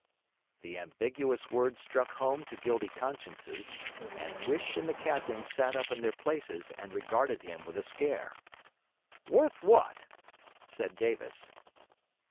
The ambiguous words struck home to guilty consciences, and Huish and the captain sat up in their places and regarded him with a scare. 'Worth what?' said Davis.